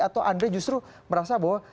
atau anda justru merasa bahwa